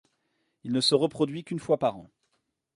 Il ne se reproduit qu'une fois par an.